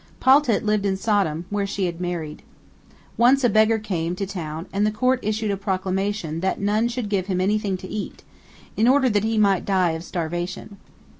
Paltit lived in Sodom, where she had married. Once a beggar came to town, and the court issued a proclamation that none should give him anything to eat, in order that he might die of starvation.